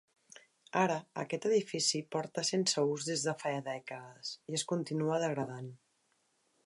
Ara aquest edifici porta sense ús des de fa dècades i es continua degradant.